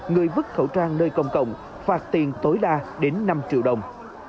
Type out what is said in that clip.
hai người vứt khẩu trang nơi công cộng phạt tiền tối đa đến năm triệu đồng